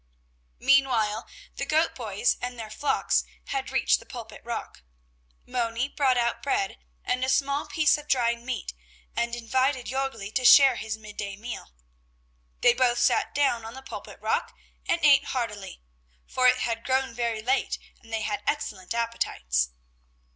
Meanwhile the goat boys and their flocks had reached the Pulpit rock. Moni brought out bread and a small piece of dried meat and invited Jörgli to share his midday meal. They both sat down on the Pulpit rock and ate heartily, for it had grown very late and they had excellent appetites.